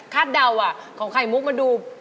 คาดเดาอ่ะของไข่มุกมันดู